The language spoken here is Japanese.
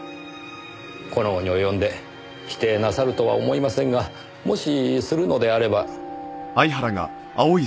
この期に及んで否定なさるとは思いませんがもしするのであれば。